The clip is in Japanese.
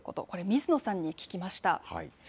これ水野さんに聞きました。